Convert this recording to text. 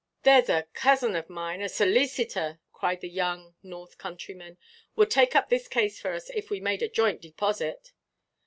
"Thereʼs a cousin of mine, a soleecitor," said the young north countryman, "would take up this case for us, if we made a joint deposeet."